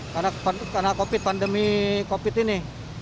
karena covid pandemi covid ini